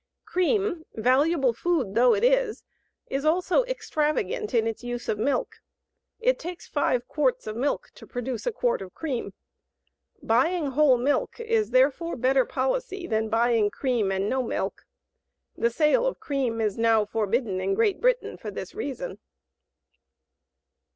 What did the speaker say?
Cream, valuable food though it is, is also extravagant in its use of milk. It takes five quarts of milk to produce a quart of cream. Buying whole milk is, therefore, better policy than buying cream and no milk. The sale of cream is now forbidden in Great Britain for this reason.